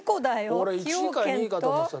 俺１位か２位かと思ってた。